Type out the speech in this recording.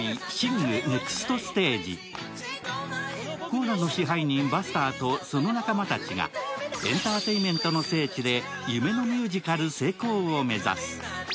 コアラの支配人、バスターとその仲間たちがエンターテインメントの聖地で夢のミュージカル成功を目指す。